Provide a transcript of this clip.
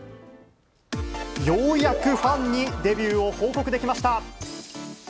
ようやくファンにデビューを報告できました。